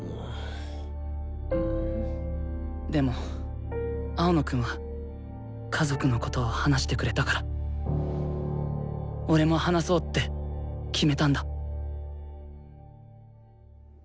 でも青野くんは家族のことを話してくれたから俺も話そうって決めたんだ。